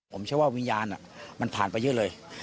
ผมเชื่อว่าวิญญาณมันผ่านไปเยอะเลย